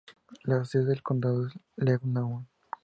La sede del condado es Lebanon.